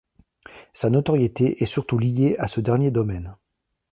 Sa notoriété est surtout lié à ce dernier domaine.